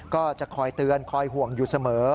ก็จะคอยเตือนคอยห่วงอยู่เสมอ